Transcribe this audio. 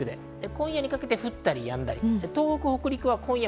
今夜にかけて降ったりやんだり。